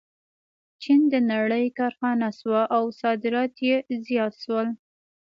چین د نړۍ کارخانه شوه او صادرات یې زیات شول.